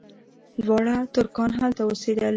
دواړه ترکان هلته اوسېدل.